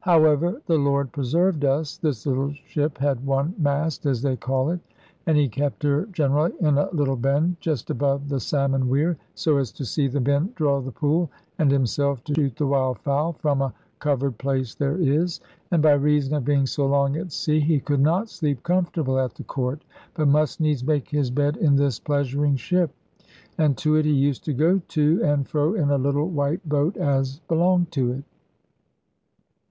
However, the Lord preserved us. This little ship had one mast, as they call it, and he kept her generally in a little bend just above the salmon weir, so as to see the men draw the pool, and himself to shoot the wild fowl, from a covered place there is; and by reason of being so long at sea, he could not sleep comfortable at the Court, but must needs make his bed in this pleasuring ship, and to it he used to go to and fro in a little white boat as belonged to it.